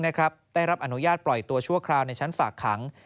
ได้รับอนุญาตปล่อยตัวชั่วคราวในชั้นฝากขัง